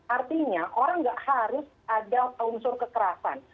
artinya orang tidak harus ada unsur kekerasan